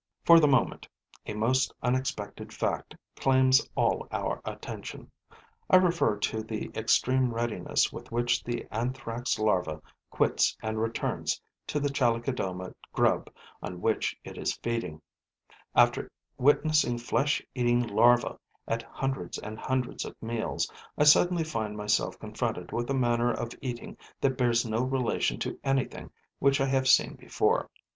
For the moment, a most unexpected fact claims all our attention. I refer to the extreme readiness with which the Anthrax' larva quits and returns to the Chalicodoma grub on which it is feeding. After witnessing flesh eating larvae at hundreds and hundreds of meals, I suddenly find myself confronted with a manner of eating that bears no relation to anything which I have seen before.